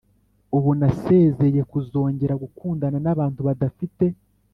Ubu narasezeye kuzongera gukundana nabantu badafite